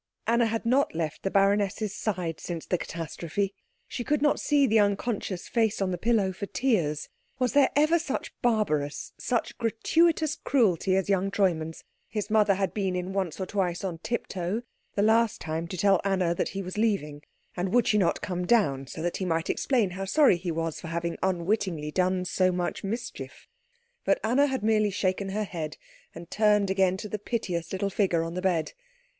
Anna had not left the baroness's side since the catastrophe. She could not see the unconscious face on the pillow for tears. Was there ever such barbarous, such gratuitous cruelty as young Treumann's? His mother had been in once or twice on tiptoe, the last time to tell Anna that he was leaving, and would she not come down so that he might explain how sorry he was for having unwittingly done so much mischief? But Anna had merely shaken her head and turned again to the piteous little figure on the bed.